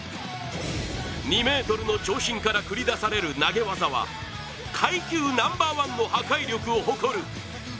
２ｍの長身から繰り出される投げ技は、階級ナンバーワンの破壊力を誇る。